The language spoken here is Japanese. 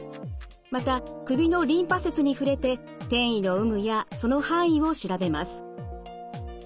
また首のリンパ節に触れて転移の有無やその範囲を調べます。